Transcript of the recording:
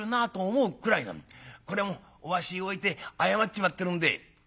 これはもうお足を置いて謝っちまってるんで」。